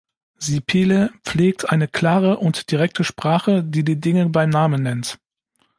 Sipilä pflegt eine klare und direkte Sprache, die die Dinge beim Namen nennt.